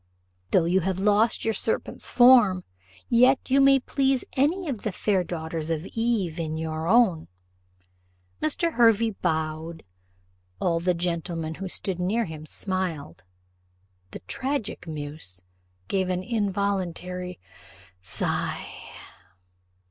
Though you have lost your serpent's form, yet you may please any of the fair daughters of Eve in your own." Mr. Hervey bowed; all the gentlemen who stood near him smiled; the tragic muse gave an involuntary sigh.